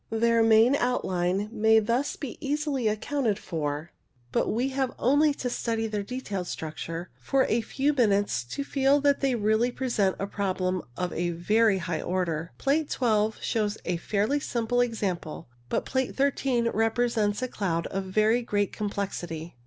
Their main outline may thus be easily accounted for, but we have only to study their detailed structure for a few minutes to feel that they really present a problem of a very high order. Plate 12 shows a fairly simple example, but Plate 13 represents a cloud of very great complexity.